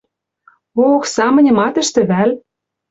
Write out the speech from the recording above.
Ох, самыньым ат ӹштӹ вӓл?..